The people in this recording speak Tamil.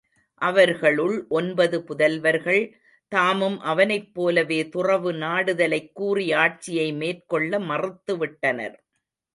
அவர்களுள் ஒன்பது புதல்வர்கள், தாமும் அவனைப் போலவே துறவு நாடுதலைக் கூறி ஆட்சியை மேற்கொள்ள மறுத்துவிட்டனர்.